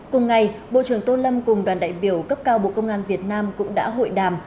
cùng ngày bộ trưởng tô lâm cùng đoàn đại biểu cấp cao bộ công an việt nam cũng đã hội đàm